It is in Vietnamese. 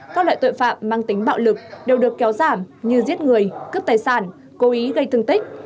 các loại tội phạm mang tính bạo lực đều được kéo giảm như giết người cướp tài sản cố ý gây thương tích